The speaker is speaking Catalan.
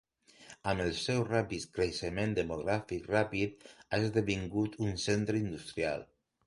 Amb el seu ràpid creixement demogràfic ràpid ha esdevingut un centre industrial.